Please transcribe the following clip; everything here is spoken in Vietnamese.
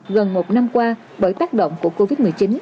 gần một năm qua bởi tác động của covid một mươi chín